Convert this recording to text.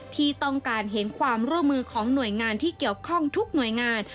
ที่ต้องการเห็นความร่วมมือของหน่วยงานที่เกี่ยวข้องทุกหน่วยงาน